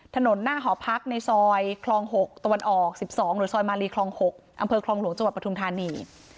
ถนนหน้าหอพักในซอยคลอง๖ตะวันออ๑๒หรือซอยมารีคลอง๖อครจปธานี